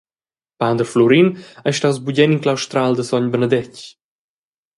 Pader Flurin ei staus bugen in claustral da sogn Benedetg.